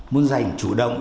muốn giành chủ động